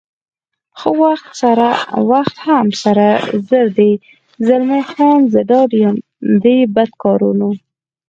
خو وخت هم سره زر دی، زلمی خان: زه ډاډه یم دې بدکارانو.